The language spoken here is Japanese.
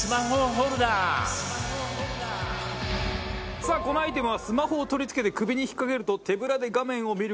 さあこのアイテムはスマホを取り付けて首に引っかけると手ぶらで画面を見る事ができます。